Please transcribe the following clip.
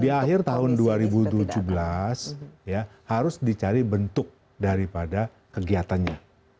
di akhir tahun dua ribu tujuh belas harus dicari bentuk daripada kegiatannya